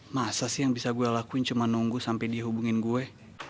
masa sih yang bisa gue lakuin cuma nunggu sampai dia hubungin gue